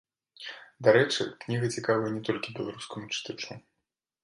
Дарэчы, кніга цікавая не толькі беларускаму чытачу.